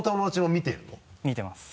見てます。